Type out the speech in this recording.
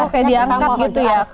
kayak diangkat gitu ya